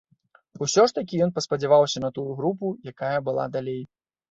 Усё ж такі ён паспадзяваўся на тую групу, якая была далей.